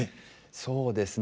そうですね。